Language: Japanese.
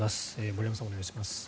森山さん、お願いします。